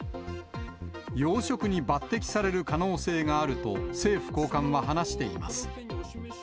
要職に抜てきされる可能性があると政府高官は話しています。